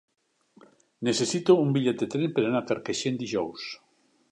Necessito un bitllet de tren per anar a Carcaixent dijous.